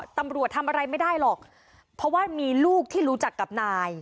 ตำรวจทำอะไรไม่ได้หรอกเพราะว่ามีลูกที่รู้จักกับนาย